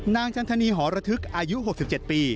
นางจันทนีหรอธึกอายุ๖๗ปี